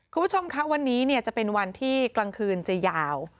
คุณผู้ชมคะวันนี้จะเป็นวันที่กลางคืนจะยาว